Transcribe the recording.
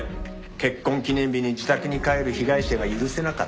結婚記念日に自宅に帰る被害者が許せなかった。